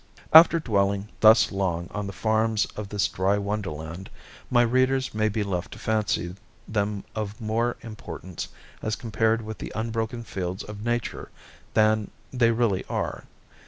After dwelling thus long on the farms of this dry wonderland, my readers may be led to fancy them of more importance as compared with the unbroken fields of Nature than they really are.